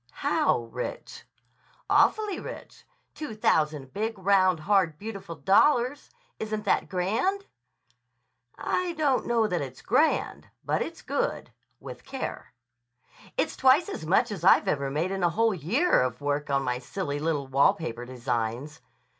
"How rich?" "Awfully rich. Two thousand big, round, hard, beautiful dollars. Isn't that grand!" "I don't know that it's grand. But it's good—with care." "It's twice as much as I've ever made in a whole year of work on my silly little wall paper designs."